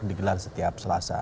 digelar setiap selasa